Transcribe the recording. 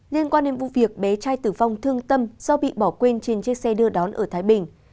liên quan đến vụ việc bé trai tử vong thương tâm do bị bỏ quên trên chiếc xe đưa đón ở thái bình